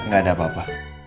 gak ada apa apa